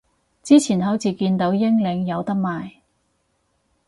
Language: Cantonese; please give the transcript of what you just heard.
之前好似見到英領有得賣